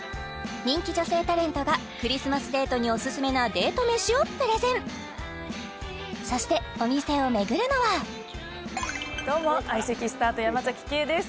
人気女性タレントがクリスマスデートにおすすめなデート飯をプレゼンそしてお店を巡るのはどうも相席スタート山ケイです